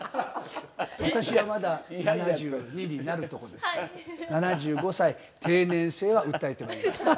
私はまだ７２になるところですから、７５歳定年制は訴えてまいり